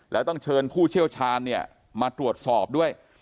แล้วต้องเชิญผู้เชี่ยวชาญเนี่ยมาตรวจสอบด้วย